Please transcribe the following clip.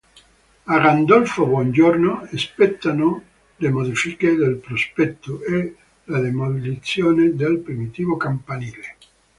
A Gandolfo Buongiorno spettano le modifiche del prospetto e la demolizione del primitivo campanile.